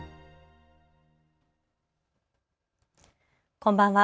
こんばんは。